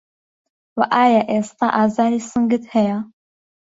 و ئایا ئێستا ئازاری سنگت هەیە؟